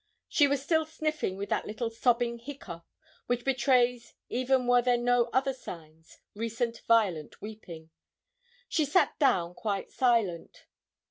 She was still sniffing with that little sobbing hiccough, which betrays, even were there no other signs, recent violent weeping. She sat down quite silent.